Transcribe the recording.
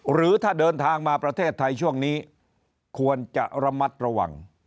หรือถ้าเดินทางมาประเทศไทยช่วงนี้ควรจะระมัดระวัง